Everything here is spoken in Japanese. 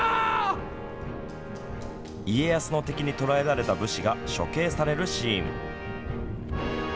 家康の敵に捕らえられた武士が処刑されるシーン。